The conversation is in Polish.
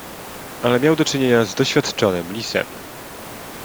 "Ale miał do czynienia z doświadczonym lisem."